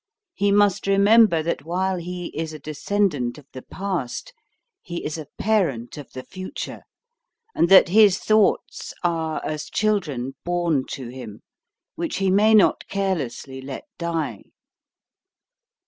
He must remember that while he is a descendant of the past, he is a parent of the future; and that his thoughts are as children born to him, which he may not carelessly let die.